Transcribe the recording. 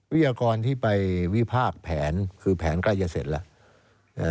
ยากรที่ไปวิพากษ์แผนคือแผนใกล้จะเสร็จแล้ว